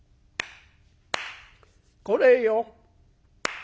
「これよ」。